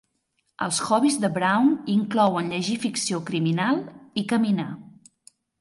Els hobbies de Brown inclouen llegir ficció criminal i caminar.